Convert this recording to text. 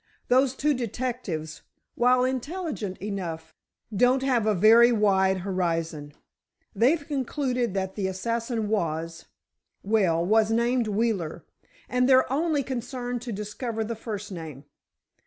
Those two detectives, while intelligent enough, don't have a very wide horizon. They've concluded that the assassin was—well, was named Wheeler—and they're only concerned to discover the first name.